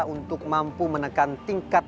untuk mampu menekan tingkat